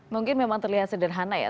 mungkin memang terlihat sederhana ya